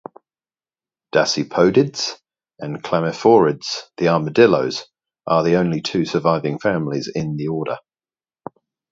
Dasypodids and chlamyphorids, the armadillos, are the only surviving families in the order.